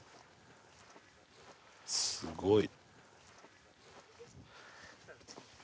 すごい。